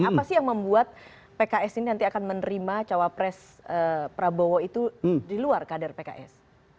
apa sih yang membuat pks ini nanti akan menerima cawapres prabowo itu di luar kader pks